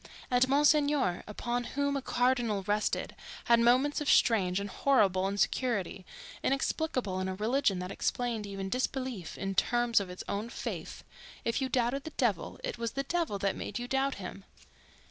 And Monsignor, upon whom a cardinal rested, had moments of strange and horrible insecurity—inexplicable in a religion that explained even disbelief in terms of its own faith: if you doubted the devil it was the devil that made you doubt him.